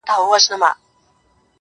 دې خاموش کور ته د خبرو بلبللکه راځي,